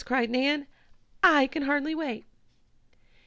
cried Nan. "I can hardly wait!"